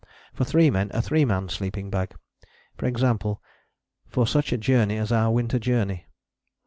For three men a three man sleeping bag: e.g. for such a journey as our Winter Journey.